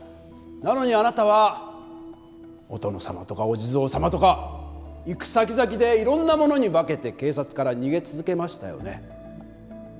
なのにあなたはお殿様とかお地蔵様とか行くさきざきでいろんなものに化けて警察から逃げ続けましたよね。